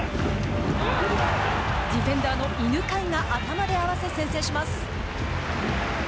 ディフェンダーの犬飼が頭で合わせ先制します。